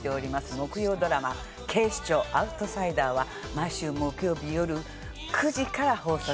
木曜ドラマ『警視庁アウトサイダー』は毎週木曜日よる９時から放送になっております。